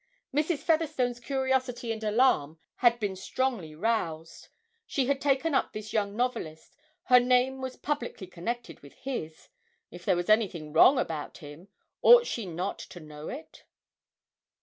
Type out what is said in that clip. Mrs. Featherstone's curiosity and alarm had been strongly roused. She had taken up this young novelist, her name was publicly connected with his if there was anything wrong about him, ought she not to know it?